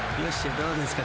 どうですか？